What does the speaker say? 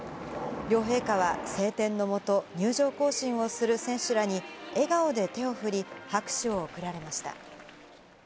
両陛下は、晴天のもと入場行進をする選手らに笑顔で手を振り、拍手を送られました。